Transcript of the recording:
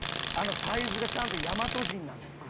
サイズがちゃんと大和人なんですよ。